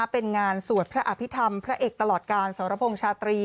เป็นงานสวดพระอภิษฐรรมพระเอกตลอดการสรพงษ์ชาตรี